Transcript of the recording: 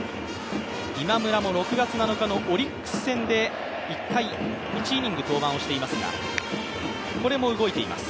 今村も６月７日のオリックス戦で１回１イニング登板をしていますが、これも動いています。